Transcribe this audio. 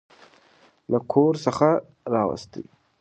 له کور څخه راوستې.